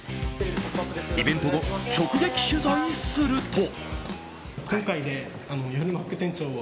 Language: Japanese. イベント後、直撃取材すると。